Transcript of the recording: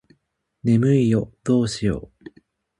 眠いよどうしよう